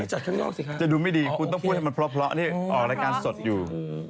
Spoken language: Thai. จะดูไม่ดีคุณต้องพูดให้มันพอที่ออกรายการสดอยู่